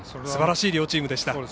すばらしい両チームでした。